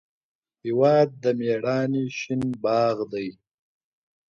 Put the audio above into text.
هېواد د میړانې شین باغ دی.